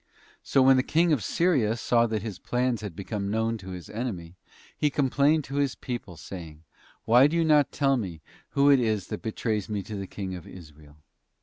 So when the King of Syria saw that his plans became known to his enemy, he complained to his people, saying: 'Why do you not tell me who it is that betrays me to the King of Israel?